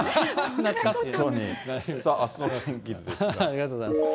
ありがとうございます。